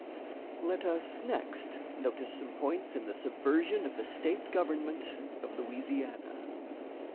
Let us next notice some points in the subversion of the State government of Louisiana.